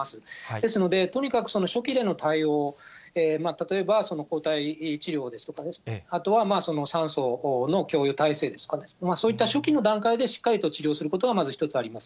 ですので、とにかく初期での対応、例えば抗体治療ですとか、あとは酸素の供与体制ですとか、そういった初期の段階でしっかりと治療することがまず一つあります。